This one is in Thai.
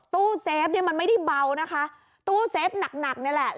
ตู้เซฟเนี่ยมันไม่ได้เบานะคะตู้เซฟหนักหนักนี่แหละ